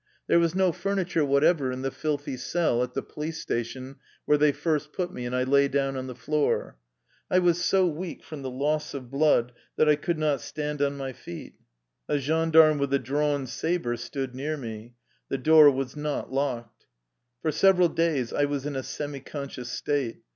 There was no furniture whatever in the filthy cell at the police station where they first put me, and I lay down on the floor. I was so weak from the loss of blood that I could not stand on my feet. A gendarme with a drawn saber stood near me. The door was not locked. For several days I was in a semiconscious state.